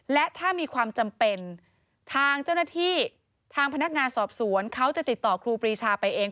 และถ้ามีความจำเป็นทางเจ้าหน้าที่ทางพนักงานสอบสวนเขาจะติดต่อครูปรีชาไปเอง